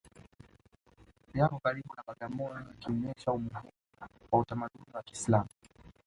Yako karibu na Bagamoyo yakionyesha umuhimu wa utamaduni wa Kiislamu